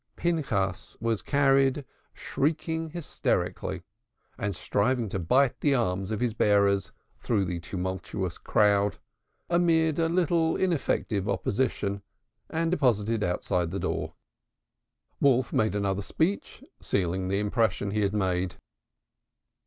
Pinchas was carried, shrieking hysterically, and striving to bite the arms of his bearers, through the tumultuous crowd, amid a little ineffective opposition, and deposited outside the door. Wolf made another speech, sealing the impression he had made.